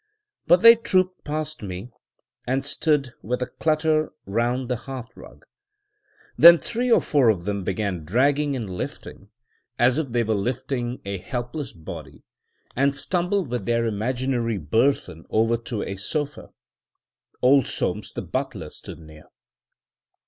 But they trooped past me, and stood with a clutter round the hearth rug. Then three or four of them began dragging and lifting, as if they were lifting a helpless body, and stumbled with their imaginary burthen over to a sofa. Old Soames, the butler, stood near.